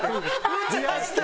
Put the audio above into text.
むちゃした！